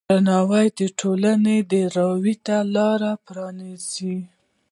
درناوی د ټولنې د راوي ته لاره پرانیزي.